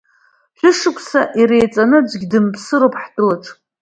Шәышықәса иреиҵаны аӡәгьы дымԥсыроуп ҳтәылаҿы!